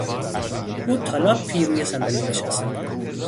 او تالاپی روی صندلی نشست.